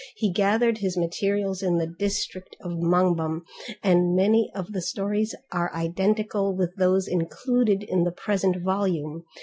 He gathered his material in the District of Manbhum, and many of the stories are identical with those included in the present volume.